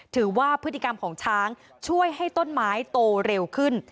ถือว่าพฤติกรรมของช้างช่วยให้ต้นไม้โตเร็วขึ้น